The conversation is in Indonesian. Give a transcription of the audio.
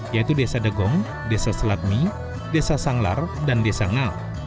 yaitu desa degong desa selatmi desa sanglar dan desa ngal